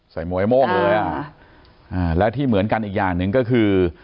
มวยโม่งเลยอ่ะอ่าแล้วที่เหมือนกันอีกอย่างหนึ่งก็คือ